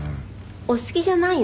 「お好きじゃないの？」